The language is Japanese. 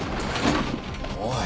おい。